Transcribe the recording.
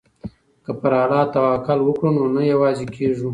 که پر الله توکل وکړو نو نه یوازې کیږو.